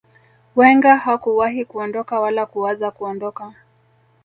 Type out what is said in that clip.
wenger hakuwahi kuondoka wala kuwaza kuondoka